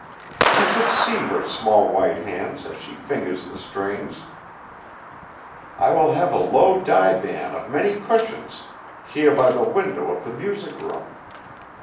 You should see her small white hands as she fingahs the strings. I will have a low divan of many cushions heah by the window of the music room.